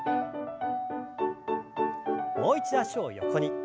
もう一度脚を横に。